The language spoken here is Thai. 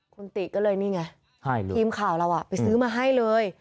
คุณติก็เลยนี่ไงทีมข่าวเราไปซื้อมาให้เลย